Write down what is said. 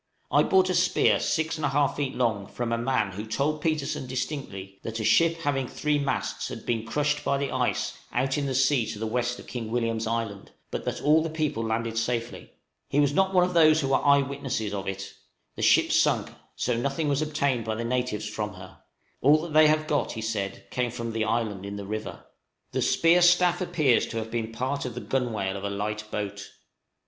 I bought a spear 6 1/2 feet long from a man who told Petersen distinctly that a ship having three masts had been crushed by the ice out in the sea to the west of King William's Island, but that all the people landed safely; he was not one of those who were eye witnesses of it; the ship sunk, so nothing was obtained by the natives from her; all that they have got, he said, came from the island in the river. The spear staff appears to have been part of the gunwale of a light boat.